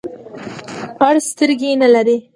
اړ سترګي نلری .